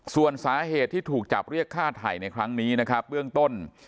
ส่วนสาเหตุที่ถูกจับเรียกฆ่าไถ่ในครั้งนี้นะครับเบื้องต้น